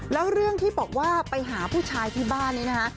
แล้วเรื่องที่บอกว่าไปหาผู้ชายที่บ้านนี้นะคะ